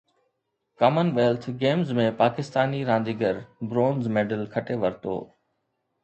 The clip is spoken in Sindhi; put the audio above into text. ڪمن ويلٿ گيمز ۾ پاڪستاني رانديگر برونز ميڊل کٽي ورتو